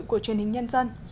của truyền hình nhân dân